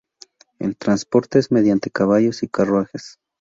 El transporte es mediante caballos y carruajes.